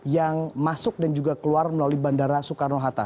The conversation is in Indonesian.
yang masuk dan juga keluar melalui bandara soekarno hatta